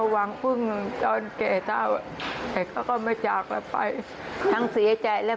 เวลาก็ภูมิใจก็เสียสละแล้ว